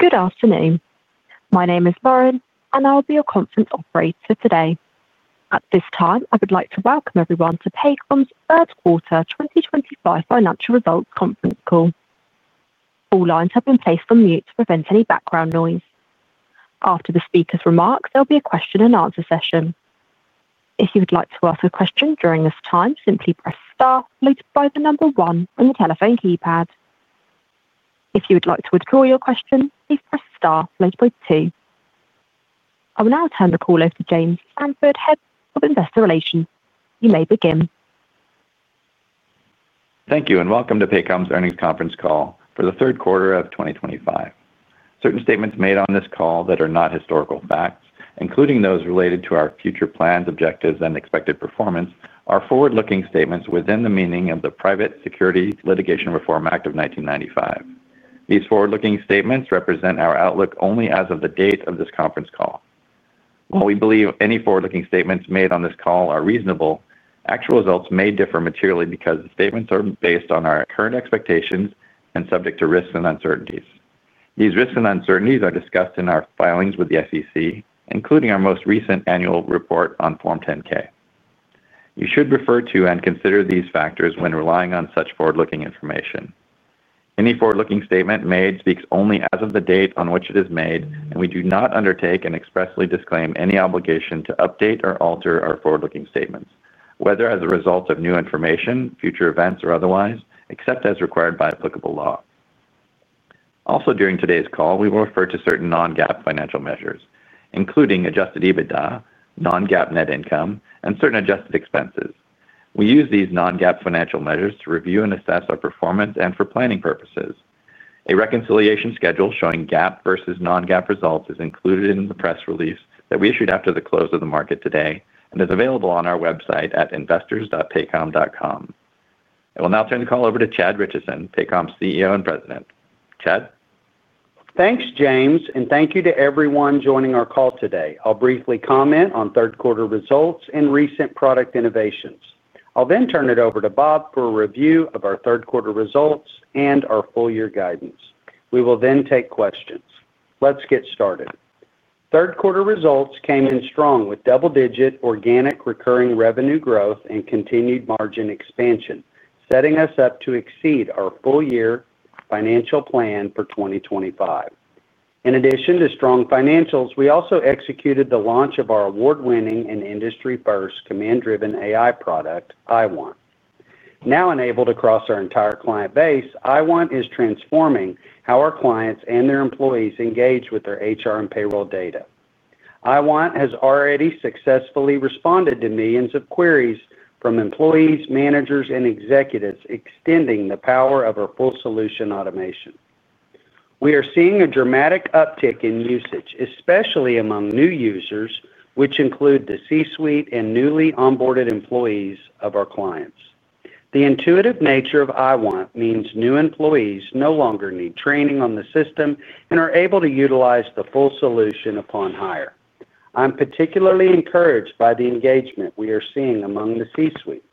Good afternoon. My name is Lauren, and I'll be your conference operator today. At this time, I would like to welcome everyone to Paycom's Third Quarter 2025 financial results conference call. All lines have been placed on mute to prevent any background noise. After the speakers' remarks, there'll be a question-and-answer session. If you would like to ask a question during this time, simply press star followed by the number one on the telephone keypad. If you would like to withdraw your question, please press star followed by two. I will now turn the call over to James Samford, Head of Investor Relations. You may begin. Thank you, and welcome to Paycom's Earnings Conference Call for the Third Quarter of 2025. Certain statements made on this call that are not historical facts, including those related to our future plans, objectives, and expected performance, are forward-looking statements within the meaning of the Private Securities Litigation Reform Act of 1995. These forward-looking statements represent our outlook only as of the date of this conference call. While we believe any forward-looking statements made on this call are reasonable, actual results may differ materially because the statements are based on our current expectations and subject to risks and uncertainties. These risks and uncertainties are discussed in our filings with the SEC, including our most recent annual report on Form 10-K. You should refer to and consider these factors when relying on such forward-looking information. Any forward-looking statement made speaks only as of the date on which it is made, and we do not undertake and expressly disclaim any obligation to update or alter our forward-looking statements, whether as a result of new information, future events, or otherwise, except as required by applicable law. Also, during today's call, we will refer to certain non-GAAP financial measures, including adjusted EBITDA, non-GAAP net income, and certain adjusted expenses. We use these non-GAAP financial measures to review and assess our performance and for planning purposes. A reconciliation schedule showing GAAP versus non-GAAP results is included in the press release that we issued after the close of the market today and is available on our website at investors.paycom.com. I will now turn the call over to Chad Richison, Paycom CEO and President. Chad. Thanks, James, and thank you to everyone joining our call today. I'll briefly comment on third-quarter results and recent product innovations. I'll then turn it over to Bob for a review of our third-quarter results and our full-year guidance. We will then take questions. Let's get started. Third-quarter results came in strong with double-digit organic recurring revenue growth and continued margin expansion, setting us up to exceed our full-year financial plan for 2025. In addition to strong financials, we also executed the launch of our award-winning and industry-first command-driven AI product, IWant. Now enabled across our entire client base, IWant is transforming how our clients and their employees engage with their HR and payroll data. IWant has already successfully responded to millions of queries from employees, managers, and executives, extending the power of our full-solution automation. We are seeing a dramatic uptick in usage, especially among new users, which include the C-suite and newly onboarded employees of our clients. The intuitive nature of IWant means new employees no longer need training on the system and are able to utilize the full solution upon hire. I'm particularly encouraged by the engagement we are seeing among the C-suite.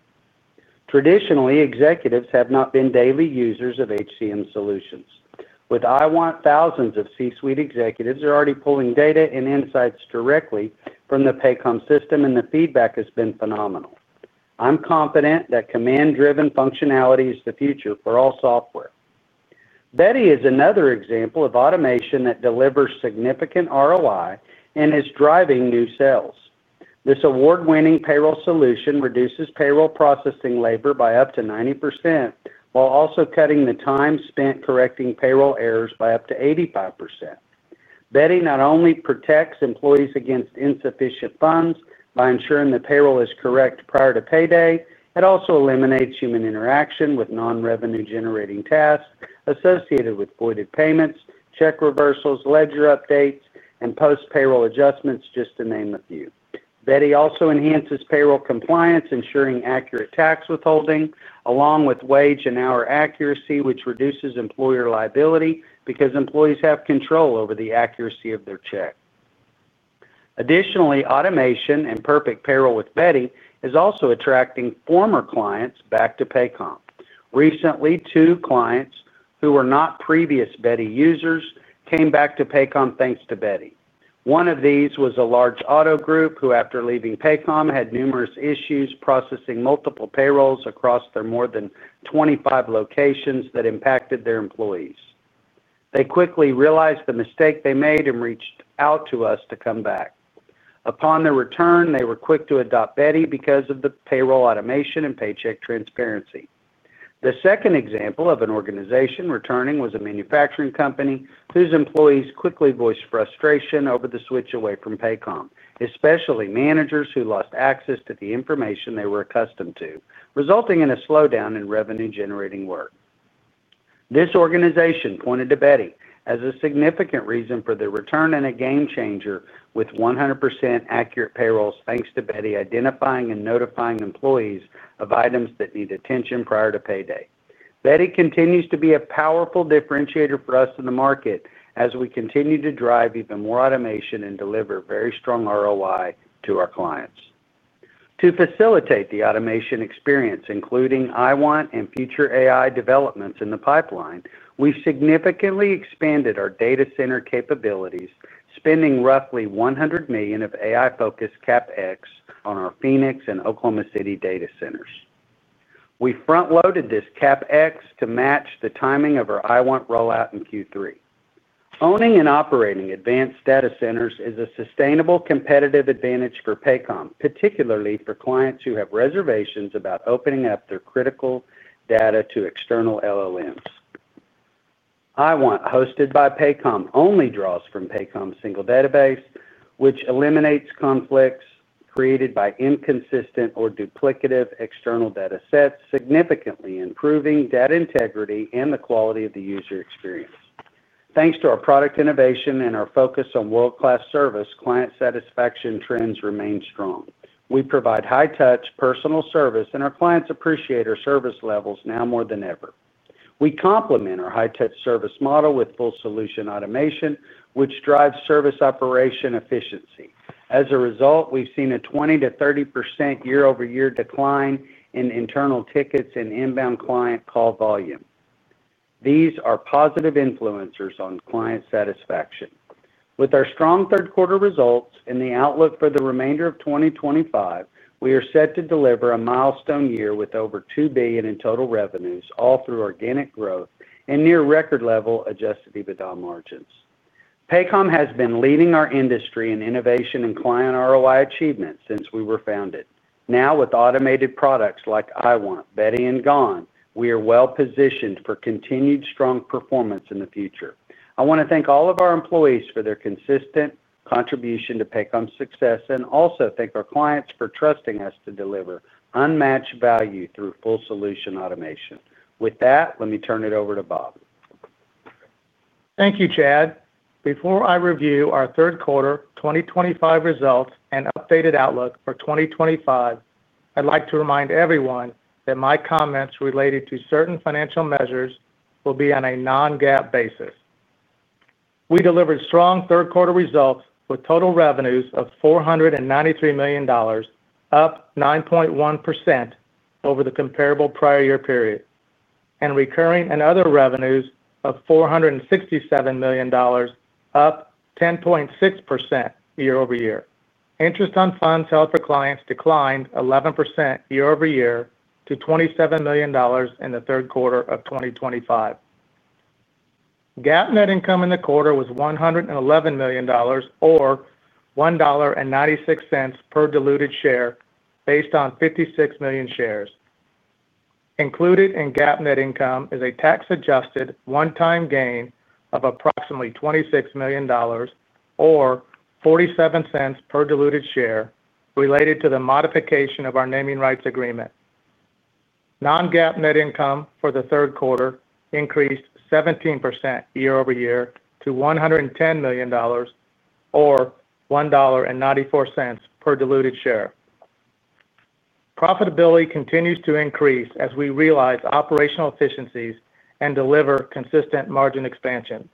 Traditionally, executives have not been daily users of HCM solutions. With IWant, thousands of C-suite executives are already pulling data and insights directly from the Paycom system, and the feedback has been phenomenal. I'm confident that command-driven functionality is the future for all software. Beti is another example of automation that delivers significant ROI and is driving new sales. This award-winning payroll solution reduces payroll processing labor by up to 90% while also cutting the time spent correcting payroll errors by up to 85%. Beti not only protects employees against insufficient funds by ensuring the payroll is correct prior to payday, it also eliminates human interaction with non-revenue-generating tasks associated with voided payments, check reversals, ledger updates, and post-payroll adjustments, just to name a few. Beti also enhances payroll compliance, ensuring accurate tax withholding along with wage and hour accuracy, which reduces employer liability because employees have control over the accuracy of their check. Additionally, automation and perfect payroll with Beti is also attracting former clients back to Paycom. Recently, two clients who were not previous Beti users came back to Paycom thanks to Beti. One of these was a large auto group who, after leaving Paycom, had numerous issues processing multiple payrolls across their more than 25 locations that impacted their employees. They quickly realized the mistake they made and reached out to us to come back. Upon their return, they were quick to adopt Beti because of the payroll automation and paycheck transparency. The second example of an organization returning was a manufacturing company whose employees quickly voiced frustration over the switch away from Paycom, especially managers who lost access to the information they were accustomed to, resulting in a slowdown in revenue-generating work. This organization pointed to Beti as a significant reason for their return and a game-changer with 100% accurate payrolls, thanks to Beti identifying and notifying employees of items that need attention prior to payday. Beti continues to be a powerful differentiator for us in the market as we continue to drive even more automation and deliver very strong ROI to our clients. To facilitate the automation experience, including IWant and future AI developments in the pipeline, we've significantly expanded our data center capabilities, spending roughly $100 million of AI-focused CapEx on our Phoenix and Oklahoma City data centers. We front-loaded this CapEx to match the timing of our IWant rollout in Q3. Owning and operating advanced data centers is a sustainable competitive advantage for Paycom, particularly for clients who have reservations about opening up their critical data to external LLMs. IWant, hosted by Paycom, only draws from Paycom's single database, which eliminates conflicts created by inconsistent or duplicative external data sets, significantly improving data integrity and the quality of the user experience. Thanks to our product innovation and our focus on world-class service, client satisfaction trends remain strong. We provide high-touch personal service, and our clients appreciate our service levels now more than ever. We complement our high-touch service model with full-solution automation, which drives service operation efficiency. As a result, we've seen a 20%-30% year-over-year decline in internal tickets and inbound client call volume. These are positive influencers on client satisfaction. With our strong third-quarter results and the outlook for the remainder of 2025, we are set to deliver a milestone year with over $2 billion in total revenues, all through organic growth and near record-level adjusted EBITDA margins. Paycom has been leading our industry in innovation and client ROI achievement since we were founded. Now, with automated products like IWant, Beti, and Gon, we are well-positioned for continued strong performance in the future. I want to thank all of our employees for their consistent contribution to Paycom's success and also thank our clients for trusting us to deliver unmatched value through full-solution automation. With that, let me turn it over to Bob. Thank you, Chad. Before I review our third-quarter 2025 results and updated outlook for 2025, I'd like to remind everyone that my comments related to certain financial measures will be on a non-GAAP basis. We delivered strong third-quarter results with total revenues of $493 million, up 9.1% over the comparable prior year period. Recurring and other revenues of $467 million, up 10.6% year-over-year. Interest on funds held for clients declined 11% year-over-year to $27 million in the third quarter of 2025. GAAP net income in the quarter was $111 million, or $1.96 per diluted share, based on 56 million shares. Included in GAAP net income is a tax-adjusted one-time gain of approximately $26 million, or $0.47 per diluted share, related to the modification of our naming rights agreement. Non-GAAP net income for the third quarter increased 17% year-over-year to $110 million, or $1.94 per diluted share. Profitability continues to increase as we realize operational efficiencies and deliver consistent margin expansion.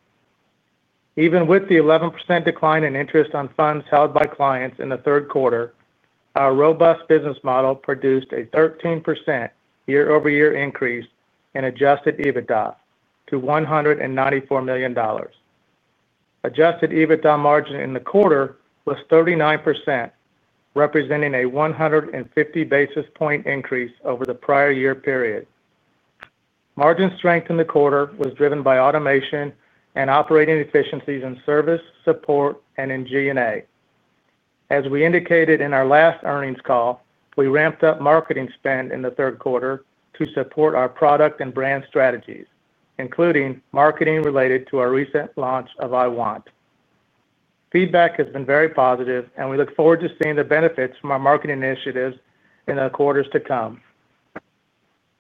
Even with the 11% decline in interest on funds held by clients in the third quarter, our robust business model produced a 13% year-over-year increase in adjusted EBITDA to $194 million. Adjusted EBITDA margin in the quarter was 39%, representing a 150 basis point increase over the prior year period. Margin strength in the quarter was driven by automation and operating efficiencies in service, support, and in G&A. As we indicated in our last earnings call, we ramped up marketing spend in the third quarter to support our product and brand strategies, including marketing related to our recent launch of IWant. Feedback has been very positive, and we look forward to seeing the benefits from our marketing initiatives in the quarters to come.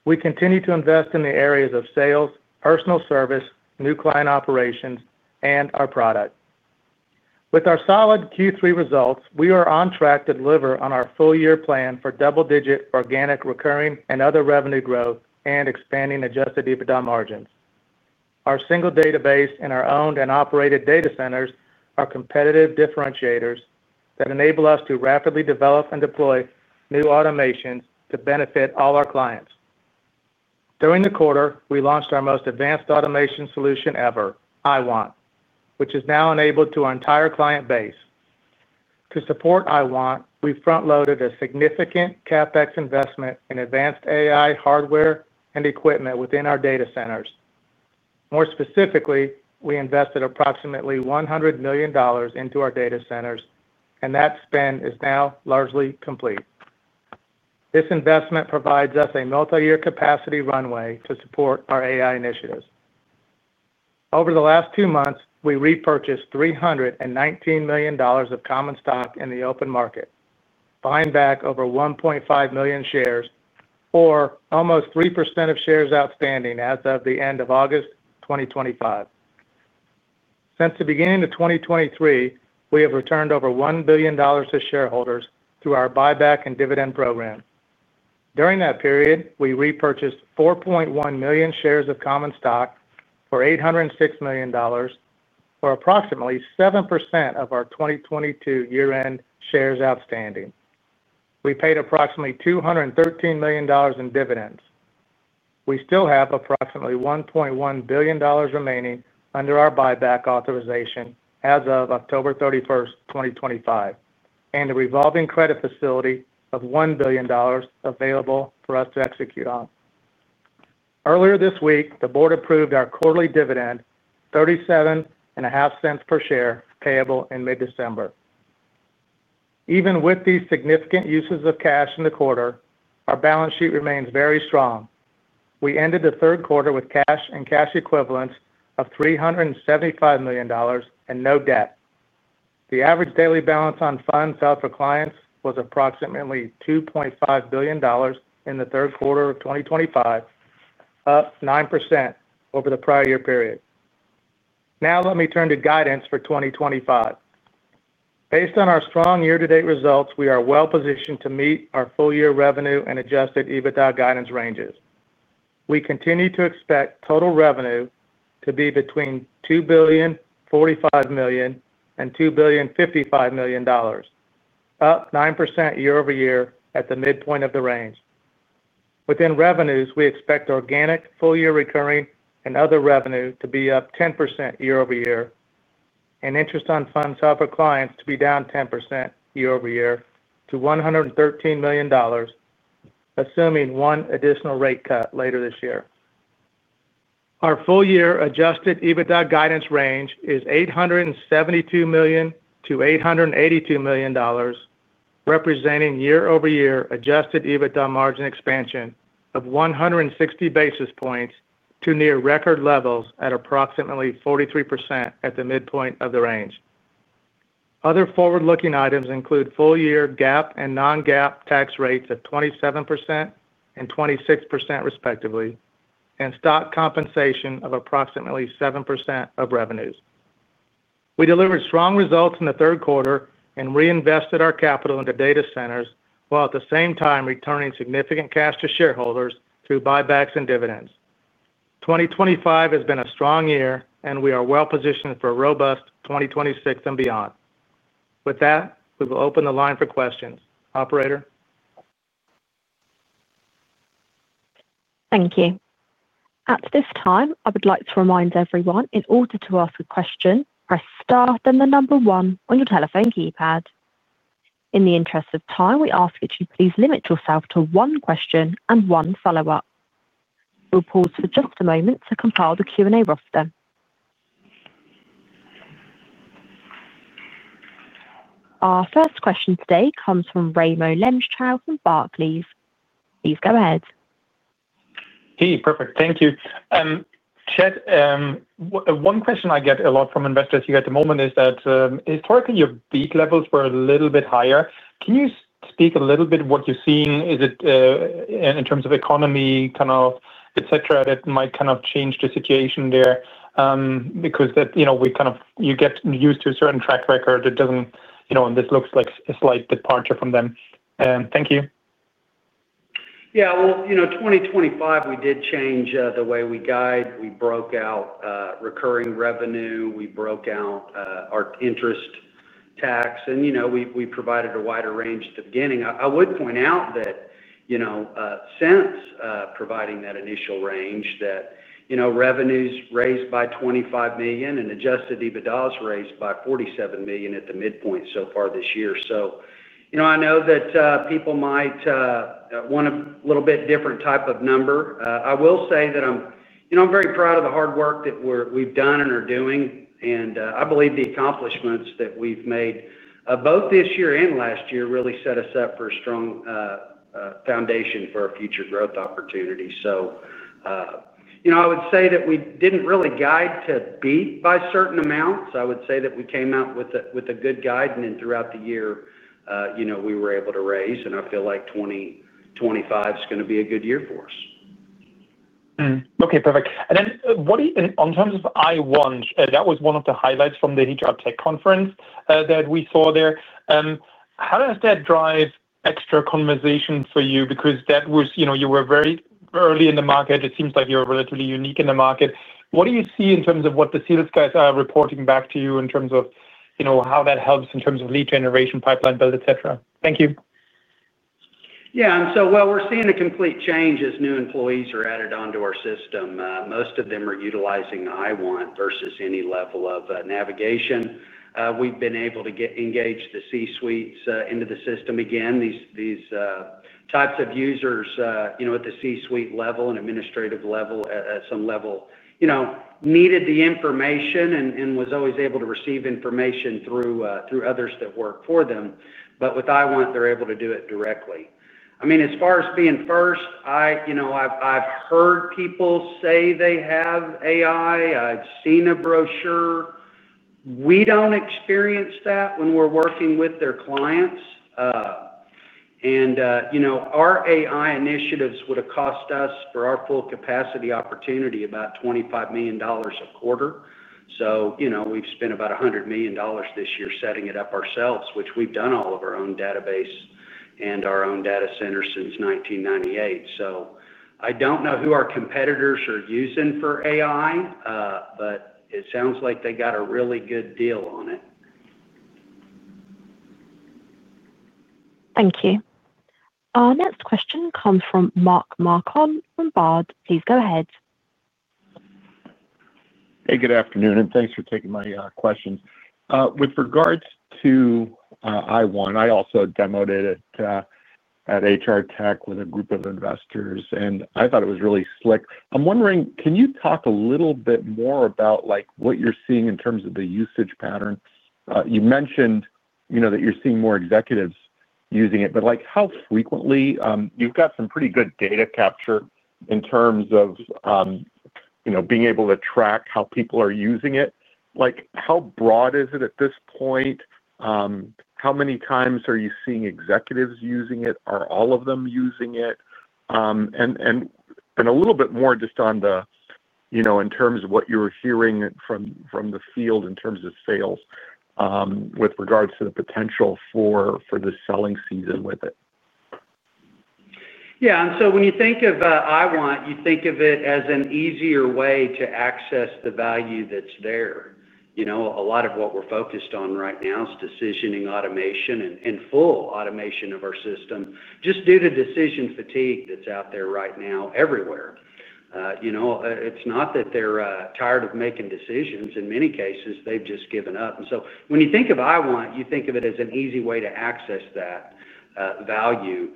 We continue to invest in the areas of sales, personal service, new client operations, and our product. With our solid Q3 results, we are on track to deliver on our full-year plan for double-digit organic recurring and other revenue growth and expanding adjusted EBITDA margins. Our single database and our owned and operated data centers are competitive differentiators that enable us to rapidly develop and deploy new automations to benefit all our clients. During the quarter, we launched our most advanced automation solution ever, IWant, which is now enabled to our entire client base. To support IWant, we front-loaded a significant CapEx investment in advanced AI hardware and equipment within our data centers. More specifically, we invested approximately $100 million into our data centers, and that spend is now largely complete. This investment provides us a multi-year capacity runway to support our AI initiatives. Over the last two months, we repurchased $319 million of common stock in the open market, buying back over 1.5 million shares, or almost 3% of shares outstanding as of the end of August 2025. Since the beginning of 2023, we have returned over $1 billion to shareholders through our buyback and dividend program. During that period, we repurchased 4.1 million shares of common stock for $806 million, or approximately 7% of our 2022 year-end shares outstanding. We paid approximately $213 million in dividends. We still have approximately $1.1 billion remaining under our buyback authorization as of October 31st, 2025, and a revolving credit facility of $1 billion available for us to execute on. Earlier this week, the board approved our quarterly dividend, $0.37 per share, payable in mid-December. Even with these significant uses of cash in the quarter, our balance sheet remains very strong. We ended the third quarter with cash and cash equivalents of $375 million and no debt. The average daily balance on funds held for clients was approximately $2.5 billion in the third quarter of 2025, up 9% over the prior year period. Now, let me turn to guidance for 2025. Based on our strong year-to-date results, we are well-positioned to meet our full-year revenue and adjusted EBITDA guidance ranges. We continue to expect total revenue to be between $2.45 billion and $2.55 billion, up 9% year-over-year at the midpoint of the range. Within revenues, we expect organic full-year recurring and other revenue to be up 10% year-over-year, and interest on funds held for clients to be down 10% year-over-year to $113 million. Assuming one additional rate cut later this year. Our full-year adjusted EBITDA guidance range is $872 million-$882 million. Representing year-over-year adjusted EBITDA margin expansion of 160 basis points to near record levels at approximately 43% at the midpoint of the range. Other forward-looking items include full-year GAAP and non-GAAP tax rates of 27% and 26%, respectively, and stock compensation of approximately 7% of revenues. We delivered strong results in the third quarter and reinvested our capital into data centers while at the same time returning significant cash to shareholders through buybacks and dividends. 2025 has been a strong year, and we are well-positioned for a robust 2026 and beyond. With that, we will open the line for questions. Operator. Thank you. At this time, I would like to remind everyone in order to ask a question, press star and the number one on your telephone keypad. In the interest of time, we ask that you please limit yourself to one question and one follow-up. We'll pause for just a moment to compile the Q&A roster. Our first question today comes from Raimo Lenschow from Barclays. Please go ahead. Hey, perfect. Thank you. Chad, one question I get a lot from investors here at the moment is that historically your Beti levels were a little bit higher. Can you speak a little bit what you're seeing? Is it in terms of economy, kind of et cetera, that might kind of change the situation there? Because we kind of you get used to a certain track record that doesn't, you know, and this looks like a slight departure from them. Thank you. Yeah, you know, 2025, we did change the way we guide. We broke out recurring revenue. We broke out our interest tax. You know, we provided a wider range at the beginning. I would point out that, you know, since providing that initial range, revenues raised by $25 million and adjusted EBITDA's raised by $47 million at the midpoint so far this year. You know, I know that people might want a little bit different type of number. I will say that I'm, you know, I'm very proud of the hard work that we've done and are doing. I believe the accomplishments that we've made both this year and last year really set us up for a strong foundation for our future growth opportunity. You know, I would say that we didn't really guide to Beti by certain amounts. I would say that we came out with a good guide, and then throughout the year, you know, we were able to raise. I feel like 2025 is going to be a good year for us. Okay, perfect. In terms of IWant, that was one of the highlights from the HR Tech Conference that we saw there. How does that drive extra conversation for you? Because that was, you know, you were very early in the market. It seems like you're relatively unique in the market. What do you see in terms of what the sales guys are reporting back to you in terms of, you know, how that helps in terms of lead generation, pipeline build, et cetera? Thank you. Yeah, so while we're seeing a complete change as new employees are added onto our system, most of them are utilizing IWant versus any level of navigation. We've been able to get engage the C-suites into the system again. These types of users, you know, at the C-suite level and administrative level at some level, you know, needed the information and was always able to receive information through others that work for them. With IWant, they're able to do it directly. I mean, as far as being first, I, you know, I've heard people say they have AI. I've seen a brochure. We don't experience that when we're working with their clients. You know, our AI initiatives would have cost us for our full capacity opportunity about $25 million a quarter. You know, we've spent about $100 million this year setting it up ourselves, which we've done all of our own database and our own data center since 1998. I don't know who our competitors are using for AI, but it sounds like they got a really good deal on it. Thank you. Our next question comes from Mark Marcon from Baird. Please go ahead. Hey, good afternoon, and thanks for taking my questions. With regards to IWant, I also demoed it at HR Tech with a group of investors, and I thought it was really slick. I'm wondering, can you talk a little bit more about, like, what you're seeing in terms of the usage pattern? You mentioned, you know, that you're seeing more executives using it, but, like, how frequently? You've got some pretty good data capture in terms of, you know, being able to track how people are using it. Like, how broad is it at this point? How many times are you seeing executives using it? Are all of them using it? And a little bit more just on the, you know, in terms of what you're hearing from the field in terms of sales. With regards to the potential for the selling season with it. Yeah, and so when you think of IWant, you think of it as an easier way to access the value that's there. You know, a lot of what we're focused on right now is decisioning automation and full automation of our system just due to decision fatigue that's out there right now everywhere. You know, it's not that they're tired of making decisions. In many cases, they've just given up. And so when you think of IWant, you think of it as an easy way to access that value.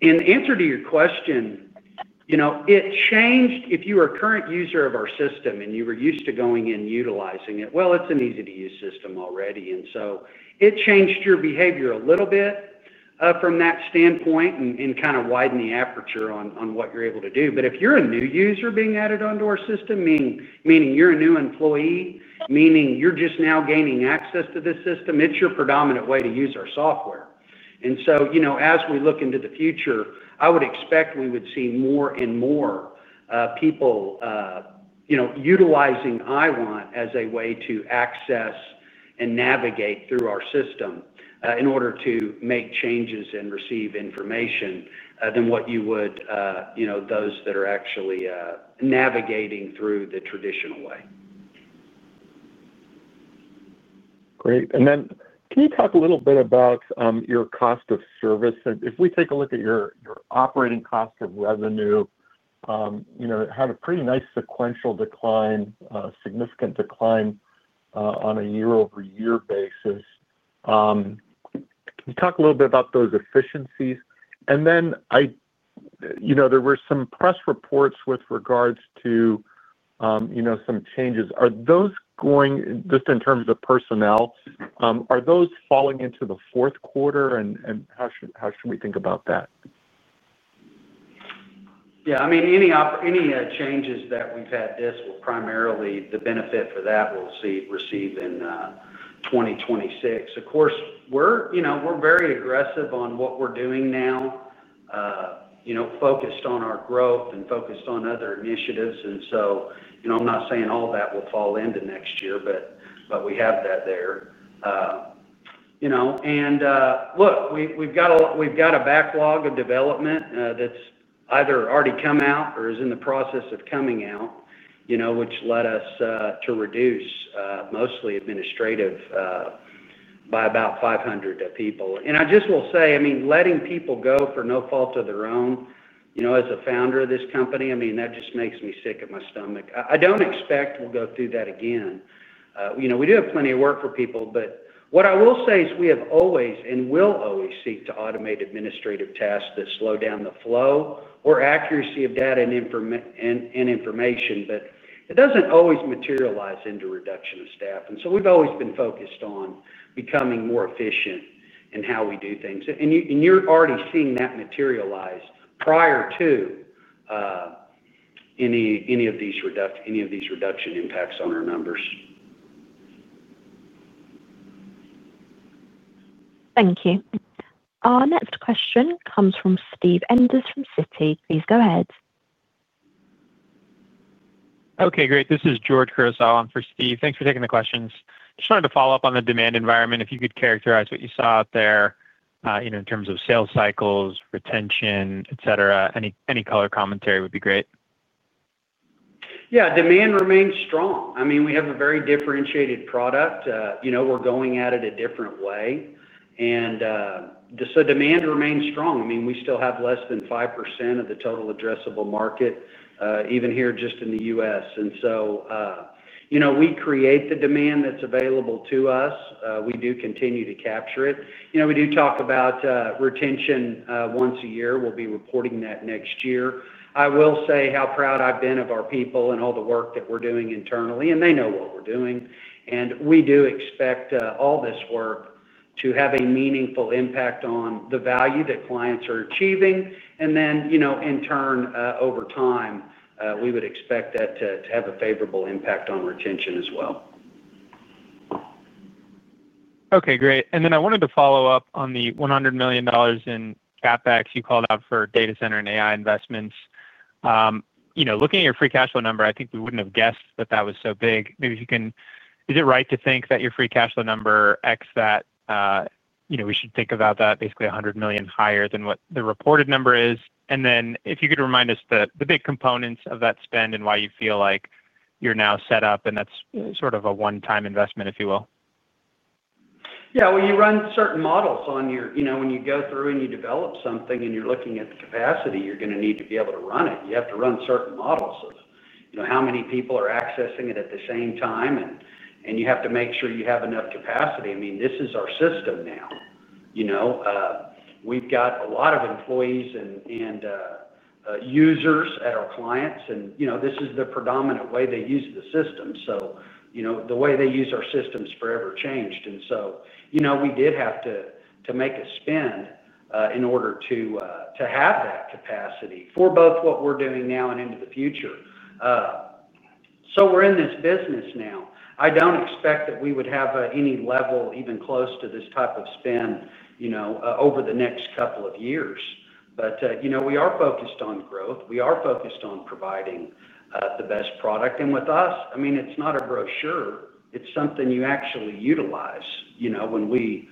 In answer to your question, you know, it changed if you were a current user of our system and you were used to going and utilizing it, well, it's an easy-to-use system already. And so it changed your behavior a little bit from that standpoint and kind of widened the aperture on what you're able to do. If you're a new user being added onto our system, meaning you're a new employee, meaning you're just now gaining access to this system, it's your predominant way to use our software. And so, you know, as we look into the future, I would expect we would see more and more people, you know, utilizing IWant as a way to access and navigate through our system in order to make changes and receive information than what you would, you know, those that are actually navigating through the traditional way. Great. Can you talk a little bit about your cost of service? If we take a look at your operating cost of revenue, you know, had a pretty nice sequential decline, significant decline on a year-over-year basis. Can you talk a little bit about those efficiencies? I, you know, there were some press reports with regards to, you know, some changes. Are those going just in terms of personnel, are those falling into the fourth quarter? How should we think about that? Yeah, I mean, any changes that we've had, this will primarily, the benefit for that we'll see received in 2026. Of course, we're, you know, we're very aggressive on what we're doing now. You know, focused on our growth and focused on other initiatives. You know, I'm not saying all that will fall into next year, but we have that there. You know, and look, we've got a backlog of development that's either already come out or is in the process of coming out, which led us to reduce mostly administrative by about 500 people. I just will say, I mean, letting people go for no fault of their own, you know, as a founder of this company, I mean, that just makes me sick at my stomach. I don't expect we'll go through that again. You know, we do have plenty of work for people, but what I will say is we have always and will always seek to automate administrative tasks that slow down the flow or accuracy of data and information, but it doesn't always materialize into reduction of staff. We have always been focused on becoming more efficient in how we do things. You're already seeing that materialize prior to any of these reduction impacts on our numbers. Thank you. Our next question comes from Steve Enders from Citi. Please go ahead. Okay, great. This is George Kurosawa for Steve. Thanks for taking the questions. Just wanted to follow up on the demand environment. If you could characterize what you saw out there, you know, in terms of sales cycles, retention, et cetera, any color commentary would be great. Yeah, demand remains strong. I mean, we have a very differentiated product. You know, we're going at it a different way. Demand remains strong. I mean, we still have less than 5% of the total addressable market, even here just in the U.S. You know, we create the demand that's available to us. We do continue to capture it. You know, we do talk about retention once a year. We'll be reporting that next year. I will say how proud I've been of our people and all the work that we're doing internally. They know what we're doing. We do expect all this work to have a meaningful impact on the value that clients are achieving. In turn, over time, we would expect that to have a favorable impact on retention as well. Okay, great. I wanted to follow up on the $100 million in CapEx you called out for data center and AI investments. You know, looking at your free cash flow number, I think we would not have guessed that that was so big. Maybe if you can, is it right to think that your free cash flow number X that, you know, we should think about that basically $100 million higher than what the reported number is? If you could remind us the big components of that spend and why you feel like you are now set up and that is sort of a one-time investment, if you will. Yeah, you run certain models on your, you know, when you go through and you develop something and you're looking at the capacity, you're going to need to be able to run it. You have to run certain models of, you know, how many people are accessing it at the same time. You have to make sure you have enough capacity. I mean, this is our system now. You know, we've got a lot of employees and users at our clients. You know, this is the predominant way they use the system. You know, the way they use our systems forever changed. You know, we did have to make a spend in order to have that capacity for both what we're doing now and into the future. We're in this business now. I do not expect that we would have any level even close to this type of spend, you know, over the next couple of years. You know, we are focused on growth. We are focused on providing the best product. With us, I mean, it is not a brochure. It is something you actually utilize, you know, when we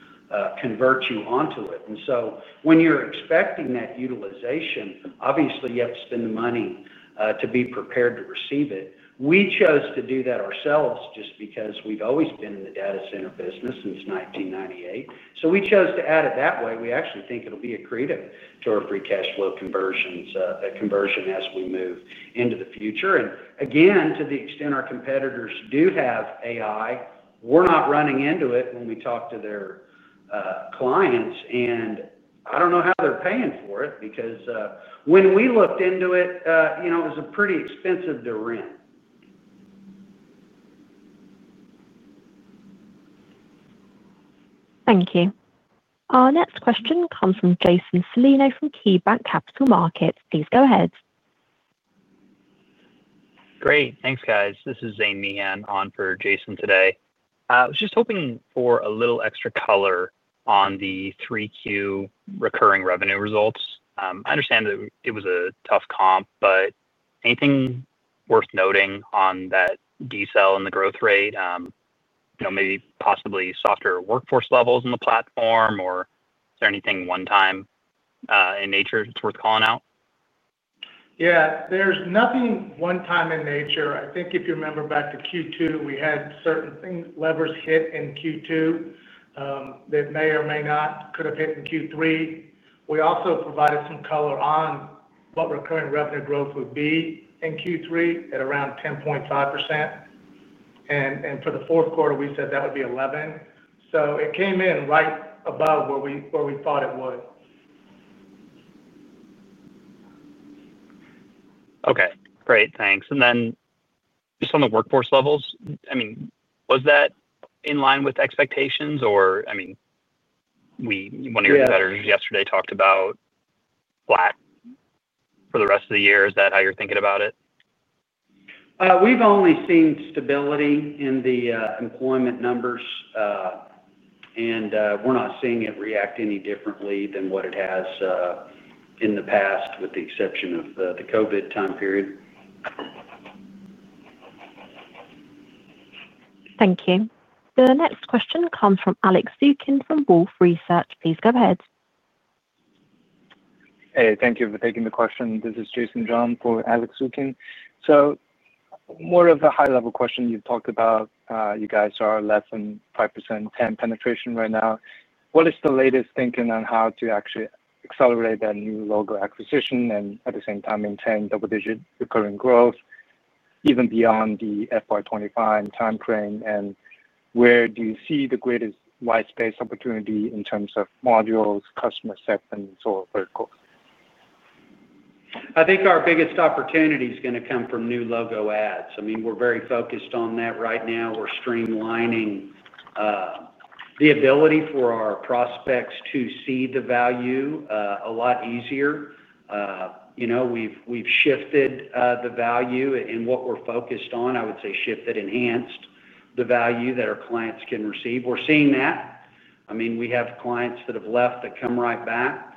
convert you onto it. When you are expecting that utilization, obviously you have to spend the money to be prepared to receive it. We chose to do that ourselves just because we have always been in the data center business since 1998. We chose to add it that way. We actually think it will be a credit to our free cash flow conversion as we move into the future. Again, to the extent our competitors do have AI, we are not running into it when we talk to their clients. I don't know how they're paying for it because when we looked into it, you know, it was pretty expensive to rent. Thank you. Our next question comes from Jason Celino from KeyBanc Capital Markets. Please go ahead. Great. Thanks, guys. This is Zane Meehan on for Jason today. I was just hoping for a little extra color on the 3Q recurring revenue results. I understand that it was a tough comp, but anything worth noting on that DSEL and the growth rate? You know, maybe possibly softer workforce levels in the platform, or is there anything one-time in nature that's worth calling out? Yeah, there's nothing one-time in nature. I think if you remember back to Q2, we had certain levers hit in Q2. That may or may not could have hit in Q3. We also provided some color on what recurring revenue growth would be in Q3 at around 10.5%. For the fourth quarter, we said that would be 11%. It came in right above where we thought it would. Okay. Great. Thanks. And then just on the workforce levels, I mean, was that in line with expectations or, I mean, one of your competitors yesterday talked about flat for the rest of the year. Is that how you're thinking about it? We've only seen stability in the employment numbers. We're not seeing it react any differently than what it has in the past with the exception of the COVID time period. Thank you. The next question comes from Alex Zukin from Wolfe Research. Please go ahead. Hey, thank you for taking the question. This is Jason John for Alex Zukin. More of a high-level question. You've talked about you guys are less than 5% penetration right now. What is the latest thinking on how to actually accelerate that new logo acquisition and at the same time maintain double-digit recurring growth even beyond the FY2025 timeframe? Where do you see the greatest white space opportunity in terms of modules, customer segments, or verticals? I think our biggest opportunity is going to come from new logo ads. I mean, we're very focused on that right now. We're streamlining. The ability for our prospects to see the value a lot easier. You know, we've shifted the value in what we're focused on. I would say shifted, enhanced the value that our clients can receive. We're seeing that. I mean, we have clients that have left that come right back.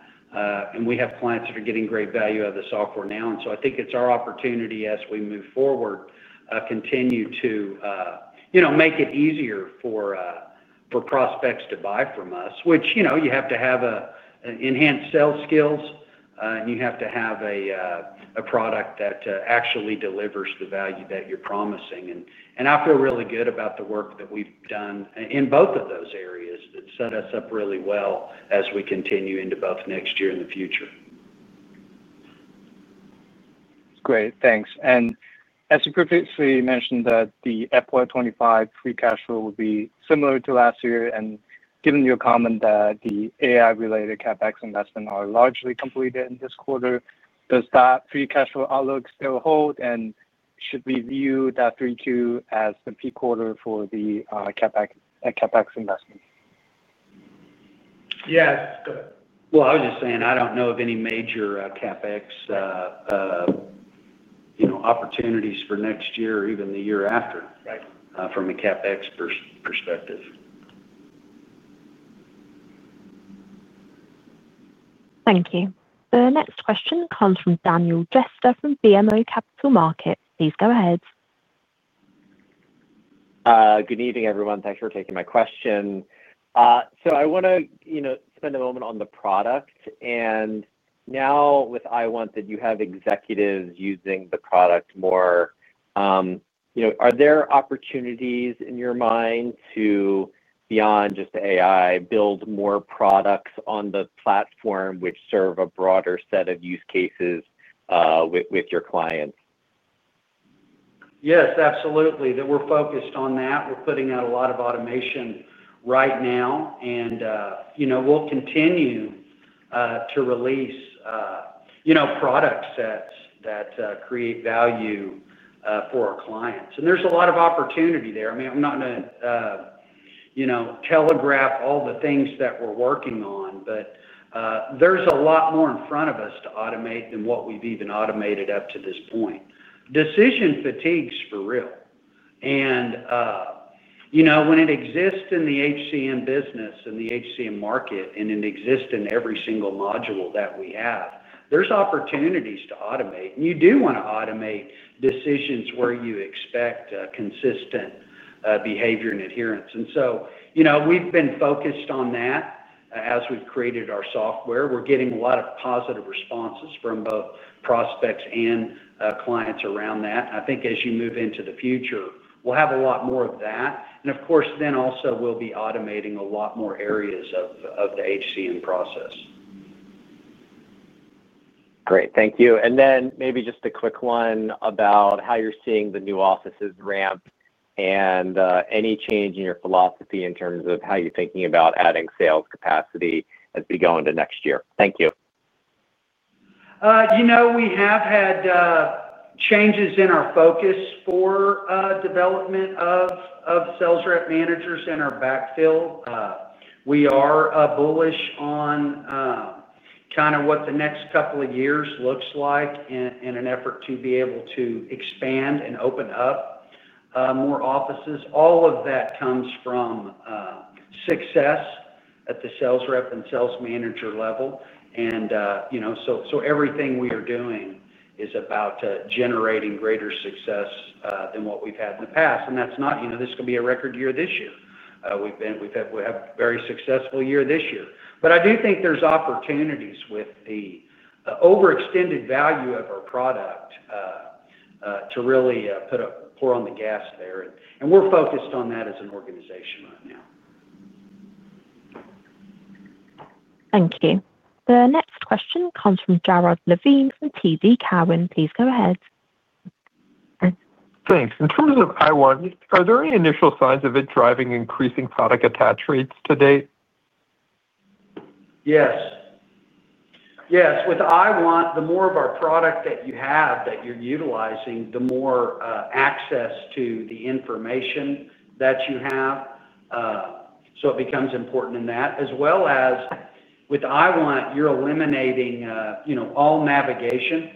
We have clients that are getting great value out of the software now. I think it's our opportunity as we move forward. Continue to, you know, make it easier for prospects to buy from us, which, you know, you have to have enhanced sales skills and you have to have a product that actually delivers the value that you're promising. I feel really good about the work that we've done in both of those areas. It set us up really well as we continue into both next year and the future. Great. Thanks. As you previously mentioned, the FY2025 free cash flow will be similar to last year. Given your comment that the AI-related CapEx investments are largely completed in this quarter, does that free cash flow outlook still hold? Should we view that 3Q as the peak quarter for the CapEx investments? Yes. I was just saying I don't know of any major CapEx opportunities for next year or even the year after from a CapEx perspective. Thank you. The next question comes from Daniel Jester from BMO Capital Markets. Please go ahead. Good evening, everyone. Thanks for taking my question. I want to, you know, spend a moment on the product. Now with IWant, that you have executives using the product more, you know, are there opportunities in your mind to, beyond just AI, build more products on the platform which serve a broader set of use cases with your clients? Yes, absolutely. That we're focused on that. We're putting out a lot of automation right now. You know, we'll continue to release, you know, products that create value for our clients. There's a lot of opportunity there. I mean, I'm not going to, you know, telegraph all the things that we're working on, but there's a lot more in front of us to automate than what we've even automated up to this point. Decision fatigue is for real. You know, when it exists in the HCM business and the HCM market and it exists in every single module that we have, there's opportunities to automate. You do want to automate decisions where you expect consistent behavior and adherence. You know, we've been focused on that. As we've created our software, we're getting a lot of positive responses from both prospects and clients around that. I think as you move into the future, we'll have a lot more of that. Of course, then also we'll be automating a lot more areas of the HCM process. Great. Thank you. Maybe just a quick one about how you're seeing the new offices ramp and any change in your philosophy in terms of how you're thinking about adding sales capacity as we go into next year. Thank you. You know, we have had changes in our focus for development of sales rep managers and our backfill. We are bullish on kind of what the next couple of years looks like in an effort to be able to expand and open up more offices. All of that comes from success at the sales rep and sales manager level. And, you know, so everything we are doing is about generating greater success than what we've had in the past. That's not, you know, this could be a record year this year. We've had a very successful year this year. I do think there's opportunities with the overextended value of our product to really put a pour on the gas there. We're focused on that as an organization right now. Thank you. The next question comes from Jared Levine from TD Cowen. Please go ahead. Thanks. In terms of IWant, are there any initial signs of it driving increasing product attach rates to date? Yes. Yes. With IWant, the more of our product that you have that you're utilizing, the more access to the information that you have. It becomes important in that. As well as, with IWant, you're eliminating, you know, all navigation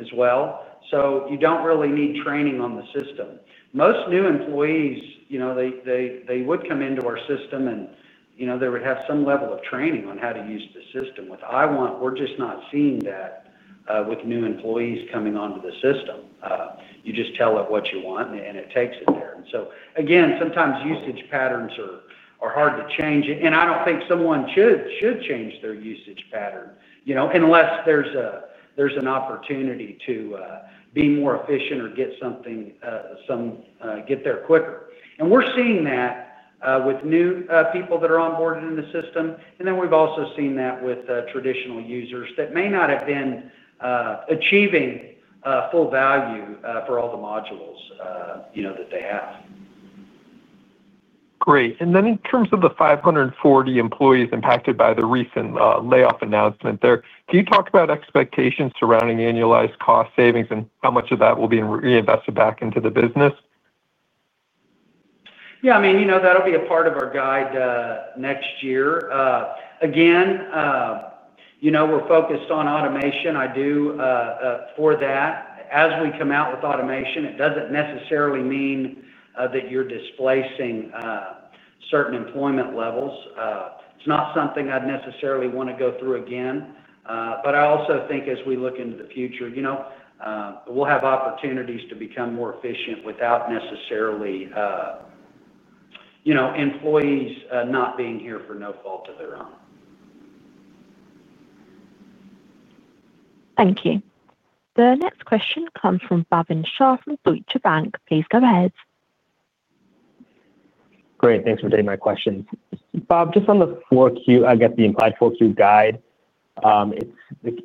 as well. You don't really need training on the system. Most new employees, you know, they would come into our system and, you know, they would have some level of training on how to use the system. With IWant, we're just not seeing that. With new employees coming onto the system, you just tell it what you want and it takes it there. Again, sometimes usage patterns are hard to change. I don't think someone should change their usage pattern, you know, unless there's an opportunity to be more efficient or get something, get there quicker. We're seeing that. With new people that are onboarded in the system. We have also seen that with traditional users that may not have been achieving full value for all the modules, you know, that they have. Great. In terms of the 540 employees impacted by the recent layoff announcement there, can you talk about expectations surrounding annualized cost savings and how much of that will be reinvested back into the business? Yeah. I mean, you know, that'll be a part of our guide next year. Again, you know, we're focused on automation. I do. For that, as we come out with automation, it doesn't necessarily mean that you're displacing certain employment levels. It's not something I'd necessarily want to go through again. I also think as we look into the future, you know, we'll have opportunities to become more efficient without necessarily, you know, employees not being here for no fault of their own. Thank you. The next question comes from Bhavin Shah from Deutsche Bank. Please go ahead. Great. Thanks for taking my question. Bob, just on the 4Q, I got the implied 4Q guide.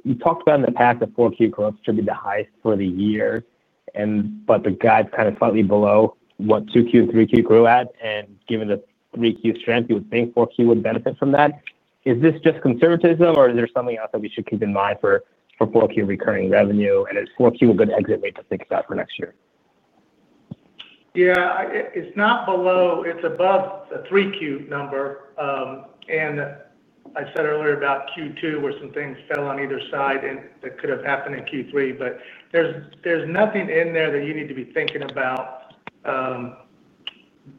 You talked about in the past that 4Q growth should be the highest for the year. The guide's kind of slightly below what 2Q and 3Q grew at. Given the 3Q strength, you would think 4Q would benefit from that. Is this just conservatism or is there something else that we should keep in mind for 4Q recurring revenue? Is 4Q a good exit rate to think about for next year? Yeah. It's not below. It's above the Q3 number. I said earlier about Q2 where some things fell on either side and that could have happened in Q3. There's nothing in there that you need to be thinking about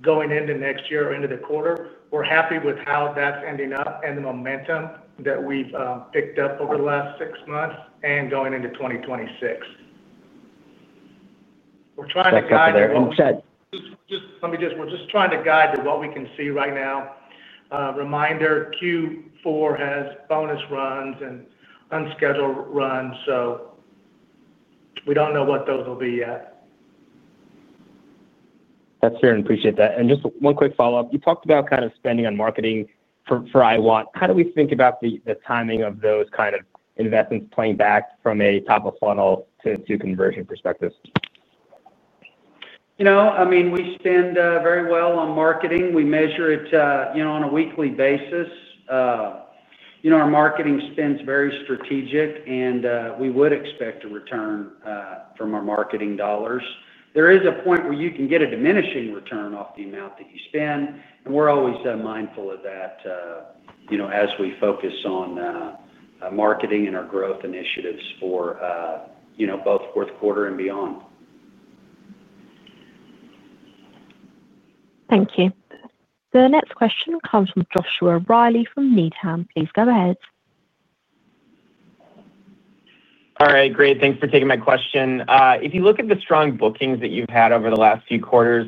going into next year or into the quarter. We're happy with how that's ending up and the momentum that we've picked up over the last six months and going into 2026. We're trying to guide to. Let me just, we're just trying to guide to what we can see right now. Reminder, Q4 has bonus runs and unscheduled runs. We don't know what those will be yet. That's fair and appreciate that. Just one quick follow-up. You talked about kind of spending on marketing for IWant. How do we think about the timing of those kind of investments playing back from a top-of-funnel to conversion perspective? You know, I mean, we spend very well on marketing. We measure it, you know, on a weekly basis. You know, our marketing spend is very strategic and we would expect a return from our marketing dollars. There is a point where you can get a diminishing return off the amount that you spend. We're always mindful of that. You know, as we focus on marketing and our growth initiatives for, you know, both fourth quarter and beyond. Thank you. The next question comes from Joshua Reilly from Needham. Please go ahead. All right. Great. Thanks for taking my question. If you look at the strong bookings that you've had over the last few quarters,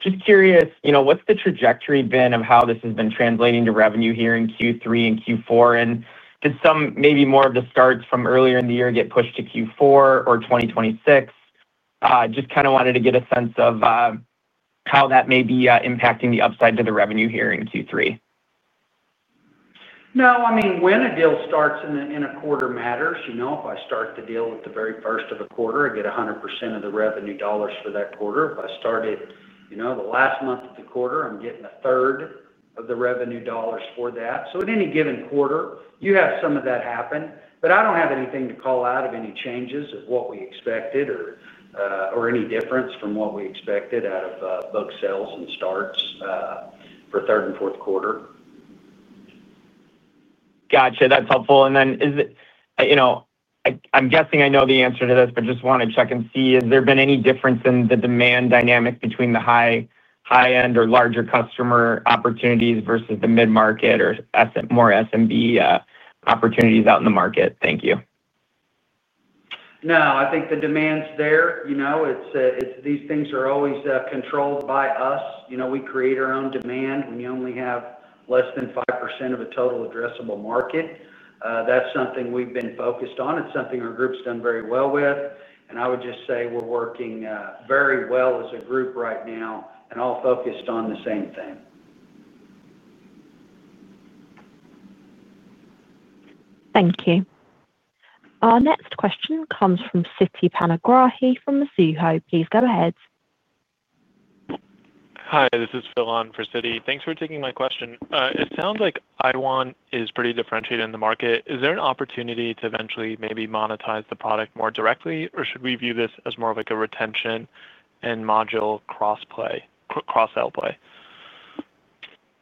just curious, you know, what's the trajectory been of how this has been translating to revenue here in Q3 and Q4? And did some maybe more of the starts from earlier in the year get pushed to Q4 or 2026? Just kind of wanted to get a sense of how that may be impacting the upside to the revenue here in Q3. No. I mean, when a deal starts in a quarter matters. You know, if I start the deal at the very first of the quarter, I get 100% of the revenue dollars for that quarter. If I started, you know, the last month of the quarter, I'm getting a third of the revenue dollars for that. At any given quarter, you have some of that happen. I don't have anything to call out of any changes of what we expected or any difference from what we expected out of book sales and starts for third and fourth quarter. Gotcha. That's helpful. Is it, you know, I'm guessing I know the answer to this, but just want to check and see. Has there been any difference in the demand dynamic between the high-end or larger customer opportunities versus the mid-market or more SMB opportunities out in the market? Thank you. No. I think the demand's there. You know, these things are always controlled by us. You know, we create our own demand when you only have less than 5% of a total addressable market. That's something we've been focused on. It's something our group's done very well with. I would just say we're working very well as a group right now and all focused on the same thing. Thank you. Our next question comes Siti Panigrahi from Mizuho. Please go ahead. Hi. This is Phil on for Citi. Thanks for taking my question. It sounds like IWant is pretty differentiated in the market. Is there an opportunity to eventually maybe monetize the product more directly or should we view this as more of like a retention and module cross-sell play?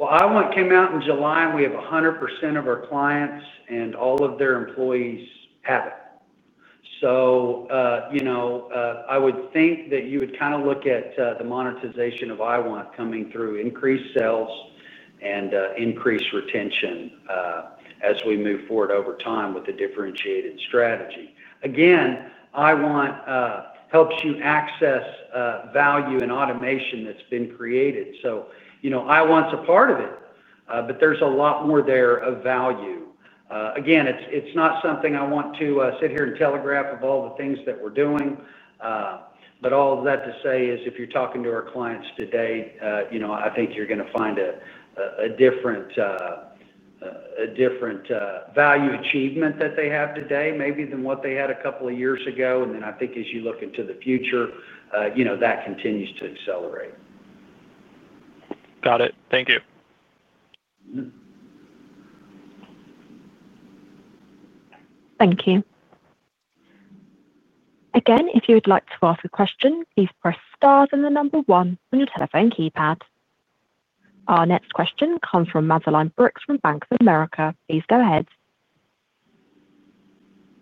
IWant came out in July and we have 100% of our clients and all of their employees have it. You know, I would think that you would kind of look at the monetization of IWant coming through increased sales and increased retention. As we move forward over time with a differentiated strategy. Again, IWant helps you access value and automation that has been created. You know, IWant's a part of it, but there is a lot more there of value. Again, it is not something I want to sit here and telegraph of all the things that we are doing. All of that to say is if you are talking to our clients today, you know, I think you are going to find a different value achievement that they have today maybe than what they had a couple of years ago. I think as you look into the future, you know, that continues to accelerate. Got it. Thank you. Thank you. Again, if you would like to ask a question, please press star and the number one on your telephone keypad. Our next question comes from Madeline Brooks from Bank of America. Please go ahead.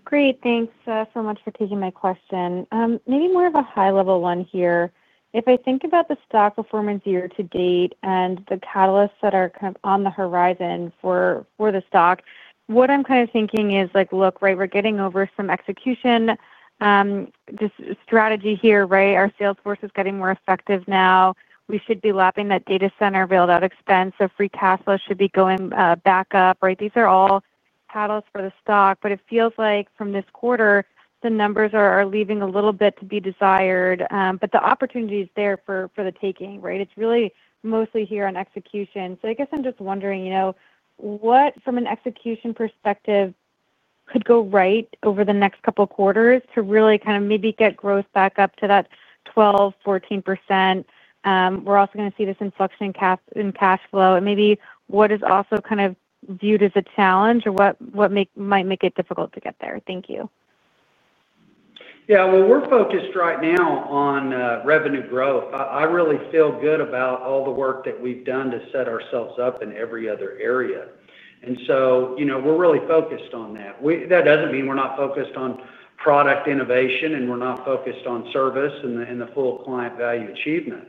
Great. Thanks so much for taking my question. Maybe more of a high-level one here. If I think about the stock performance year to date and the catalysts that are kind of on the horizon for the stock, what I'm kind of thinking is like, look, right, we're getting over some execution. Strategy here, right? Our sales force is getting more effective now. We should be lapping that data center build-out expense. So free cash flow should be going back up, right? These are all catalysts for the stock. It feels like from this quarter, the numbers are leaving a little bit to be desired. The opportunity is there for the taking, right? It's really mostly here on execution. I guess I'm just wondering, you know, what from an execution perspective could go right over the next couple of quarters to really kind of maybe get growth back up to that 12%, 14%? We're also going to see this in flux and cash flow. And maybe what is also kind of viewed as a challenge or what might make it difficult to get there? Thank you. Yeah. We're focused right now on revenue growth. I really feel good about all the work that we've done to set ourselves up in every other area. And, you know, we're really focused on that. That doesn't mean we're not focused on product innovation and we're not focused on service and the full client value achievement.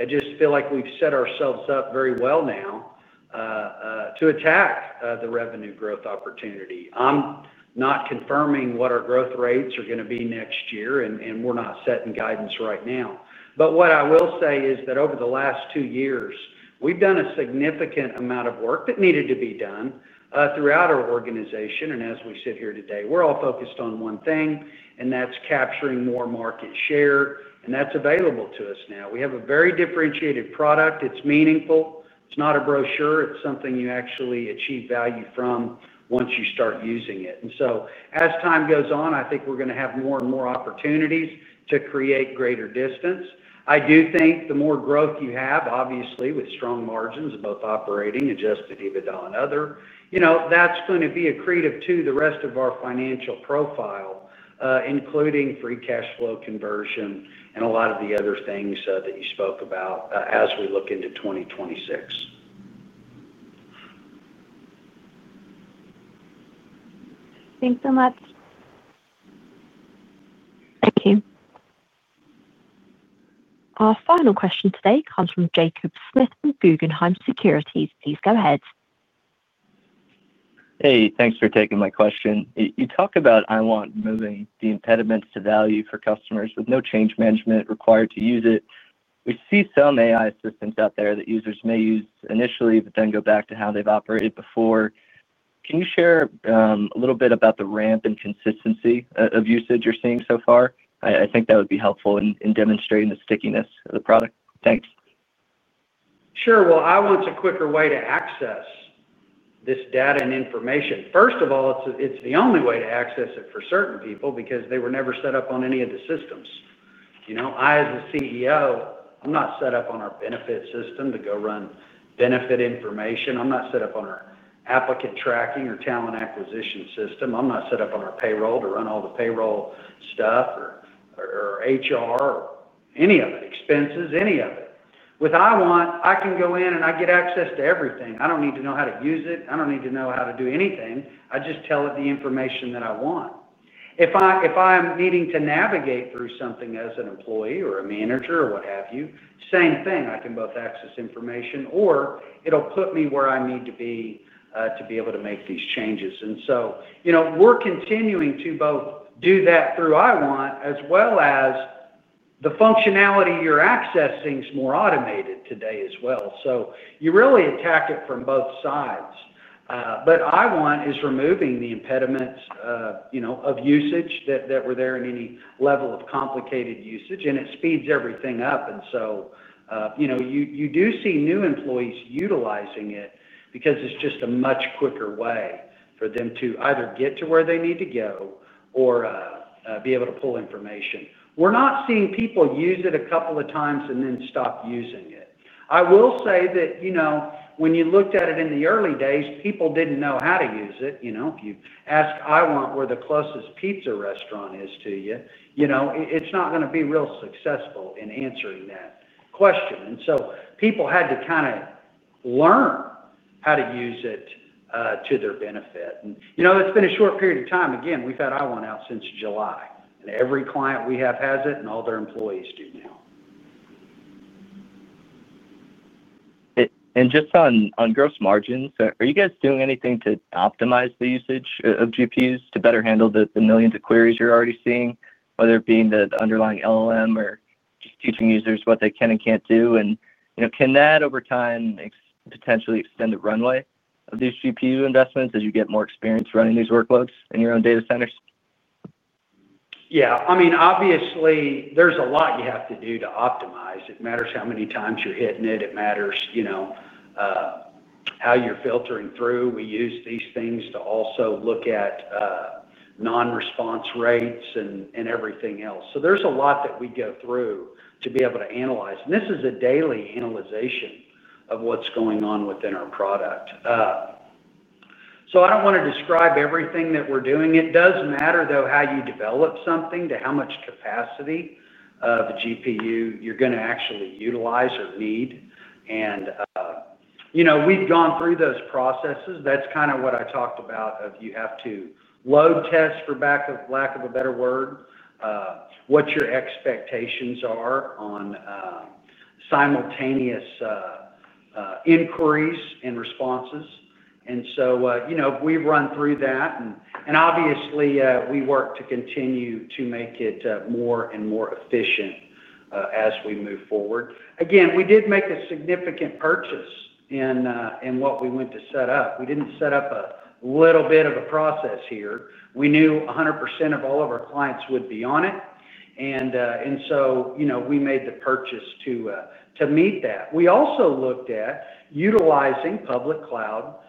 I just feel like we've set ourselves up very well now to attack the revenue growth opportunity. I'm not confirming what our growth rates are going to be next year and we're not setting guidance right now. What I will say is that over the last two years, we've done a significant amount of work that needed to be done throughout our organization. As we sit here today, we're all focused on one thing and that's capturing more market share. That's available to us now. We have a very differentiated product. It is meaningful. It is not a brochure. It is something you actually achieve value from once you start using it. As time goes on, I think we are going to have more and more opportunities to create greater distance. I do think the more growth you have, obviously with strong margins of both operating, adjusted EBITDA and other, you know, that is going to be accretive to the rest of our financial profile. Including free cash flow conversion and a lot of the other things that you spoke about as we look into 2026. Thanks so much. Thank you. Our final question today comes from Jacob Smith from Guggenheim Securities. Please go ahead. Hey, thanks for taking my question. You talk about IWant moving the impediments to value for customers with no change management required to use it. We see some AI assistants out there that users may use initially but then go back to how they've operated before. Can you share a little bit about the ramp and consistency of usage you're seeing so far? I think that would be helpful in demonstrating the stickiness of the product. Thanks. Sure. IWant's a quicker way to access this data and information. First of all, it's the only way to access it for certain people because they were never set up on any of the systems. You know, I as a CEO, I'm not set up on our benefit system to go run benefit information. I'm not set up on our applicant tracking or talent acquisition system. I'm not set up on our payroll to run all the payroll stuff or HR or any of it, expenses, any of it. With IWant, I can go in and I get access to everything. I don't need to know how to use it. I don't need to know how to do anything. I just tell it the information that I want. If I'm needing to navigate through something as an employee or a manager or what have you, same thing. I can both access information or it'll put me where I need to be to be able to make these changes. And so, you know, we're continuing to both do that through IWant as well as. The functionality you're accessing is more automated today as well. You really attack it from both sides. IWant is removing the impediments, you know, of usage that were there in any level of complicated usage. It speeds everything up. You know, you do see new employees utilizing it because it's just a much quicker way for them to either get to where they need to go or be able to pull information. We're not seeing people use it a couple of times and then stop using it. I will say that, you know, when you looked at it in the early days, people didn't know how to use it. You know, if you ask IWant where the closest pizza restaurant is to you, you know, it's not going to be real successful in answering that question. And so people had to kind of learn how to use it to their benefit. And you know, it's been a short period of time. Again, we've had IWant out since July. And every client we have has it and all their employees do now. Just on gross margins, are you guys doing anything to optimize the usage of GPUs to better handle the millions of queries you're already seeing, whether it being the underlying LLM or just teaching users what they can and can't do? You know, can that over time potentially extend the runway of these GPU investments as you get more experience running these workloads in your own data centers? Yeah. I mean, obviously there's a lot you have to do to optimize. It matters how many times you're hitting it. It matters, you know, how you're filtering through. We use these things to also look at non-response rates and everything else. There is a lot that we go through to be able to analyze. This is a daily analyzation of what's going on within our product. I do not want to describe everything that we're doing. It does matter, though, how you develop something to how much capacity of a GPU you're going to actually utilize or need. You know, we've gone through those processes. That's kind of what I talked about, of you have to load test, for lack of a better word, what your expectations are on simultaneous inquiries and responses. You know, we've run through that. Obviously we work to continue to make it more and more efficient as we move forward. Again, we did make a significant purchase in what we went to set up. We did not set up a little bit of a process here. We knew 100% of all of our clients would be on it. You know, we made the purchase to meet that. We also looked at utilizing public cloud-type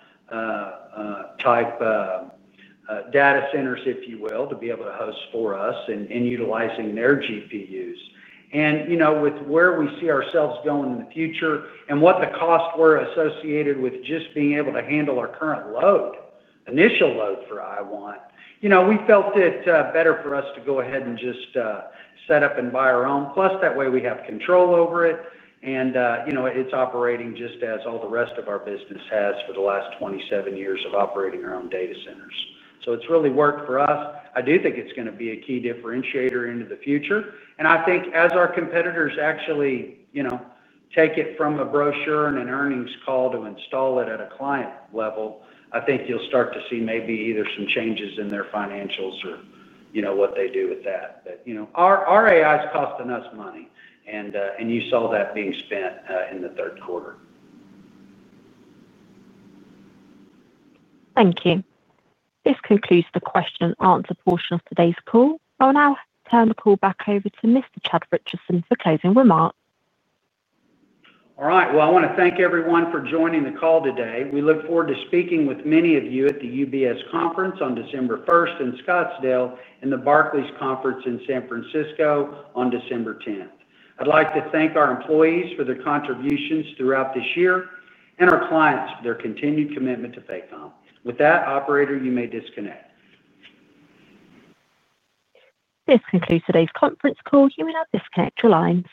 data centers, if you will, to be able to host for us and utilizing their GPUs. You know, with where we see ourselves going in the future and what the costs were associated with just being able to handle our current load, initial load for IWant, we felt it better for us to go ahead and just set up and buy our own. Plus, that way we have control over it. You know, it's operating just as all the rest of our business has for the last 27 years of operating our own data centers. It has really worked for us. I do think it's going to be a key differentiator into the future. I think as our competitors actually, you know, take it from a brochure and an earnings call to install it at a client level, you'll start to see maybe either some changes in their financials or, you know, what they do with that. You know, our AI is costing us money. You saw that being spent in the third quarter. Thank you. This concludes the question and answer portion of today's call. I'll now turn the call back over to Mr. Chad Richison for closing remarks. All right. I want to thank everyone for joining the call today. We look forward to speaking with many of you at the UBS Conference on December 1st in Scottsdale and the Barclays Conference in San Francisco on December 10th. I'd like to thank our employees for their contributions throughout this year and our clients for their continued commitment to Paycom. With that, operator, you may disconnect. This concludes today's conference call. You may now disconnect your line.